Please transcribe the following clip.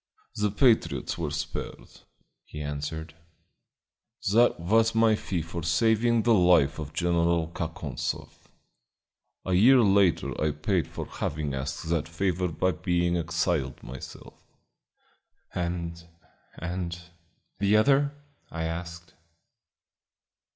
"The patriots were spared," he answered. "That was my fee for saving the life of General Kakonzoff. A year later I paid for having asked that favor by being exiled myself." "And and the other?" I asked.